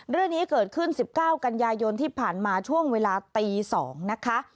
เรื่องนี้เกิดขึ้น๑๙กันยายนที่ผ่านมาช่วงเวลาตี๒นะคะ